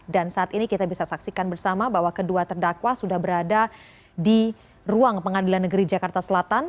dan saat ini kita bisa saksikan bersama bahwa kedua terdakwa sudah berada di ruang pengadilan negeri jakarta selatan